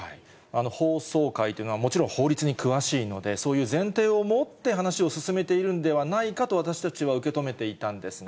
法曹界というのは、もちろん法律に詳しいので、そういう前提を持って話を進めているのではないかと、私たちは受け止めていたんですが。